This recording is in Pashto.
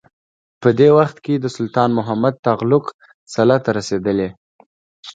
په دې وخت کې د سلطان محمد تغلق سلطه رسېدلې.